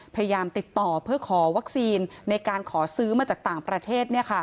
พยายามติดต่อเพื่อขอวัคซีนในการขอซื้อมาจากต่างประเทศ